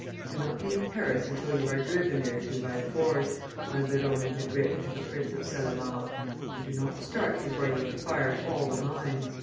"Do not leave Paris until you are driven thereto by force," Alberoni had written to the Prince of Cellamare, "and do not start before you have fired all the mines."